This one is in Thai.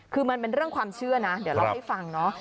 คือมันเป็นเรื่องความเชื่อนะเดี๋ยวเล่าให้ฟังเนาะ